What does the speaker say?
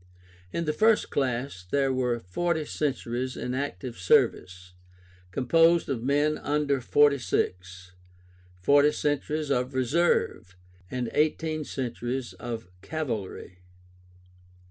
In the first class there were forty centuries in active service, composed of men under forty six, forty centuries of reserve, and eighteen centuries of cavalry.